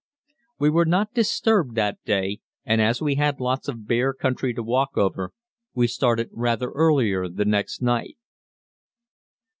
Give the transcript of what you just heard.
We were not disturbed that day, and as we had a lot of bare country to walk over, we started rather earlier the next night.